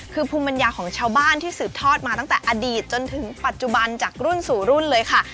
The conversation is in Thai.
คือภูมิปัญญาของชาวบ้านที่สืบทอดมาตั้งแต่อดีตจนถึงปัจจุบันจากรุ่นสู่รุ่นเลยค่ะ